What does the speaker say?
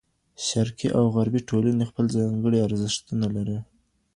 شرقي او غربي ټولنې خپل ځانګړي ارزښتونه لري.